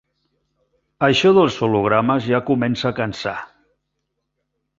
Això dels hologrames ja comença a cansar.